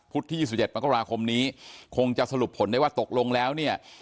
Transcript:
ที่๒๗มกราคมนี้คงจะสรุปผลได้ว่าตกลงแล้วเนี่ย